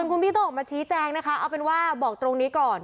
คุณพี่ต้องออกมาชี้แจงนะคะเอาเป็นว่าบอกตรงนี้ก่อน